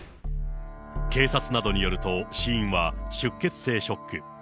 警察などによると、死因は出血性ショック。